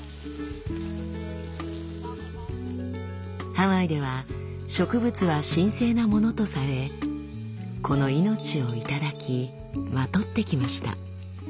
ハワイでは植物は神聖なものとされこの命を頂きまとってきました。